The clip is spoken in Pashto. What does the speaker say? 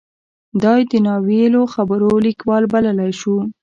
دای د نا ویلو خبرو لیکوال بللی شو.